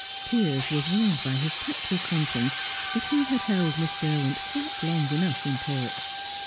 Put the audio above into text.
Piers was warned by his tactful conscience that he had held Miss Derwent quite long enough in talk.